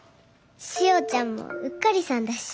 しおちゃんもうっかりさんだし。